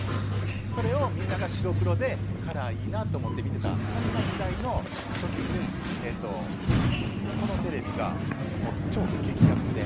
それをみんなが白黒でカラー、いいなと思って見ていたそんな時代の時にこのテレビが、超激安で。